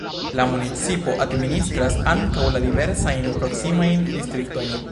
La municipo administras ankaŭ la diversajn proksimajn distriktojn.